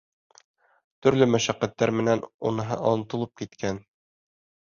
Төрлө мәшәҡәттәр менән уныһы онотолоп киткән.